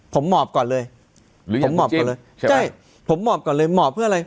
ผมหมอบก่อนเลยผมหมอบก่อนเลยหมอบเพื่ออะไร